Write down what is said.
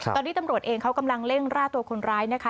ตอนนี้ตำรวจเองเขากำลังเร่งร่าตัวคนร้ายนะคะ